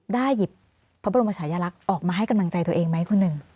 หยิบพระบรมชายลักษณ์ออกมาให้กำลังใจตัวเองไหมคุณหนึ่ง